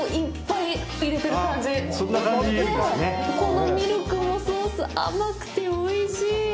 このミルクのソース、甘くておいしい。